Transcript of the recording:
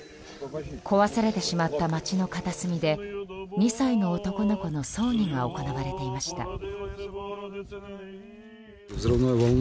壊されてしまった街の片隅で２歳の男の子の葬儀が行われていました。